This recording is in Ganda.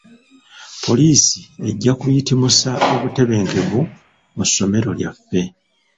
Poliisi ejja kuyitimusa obutebenkevu mu ssomero lyaffe.